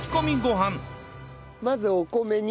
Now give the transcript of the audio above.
まずお米に。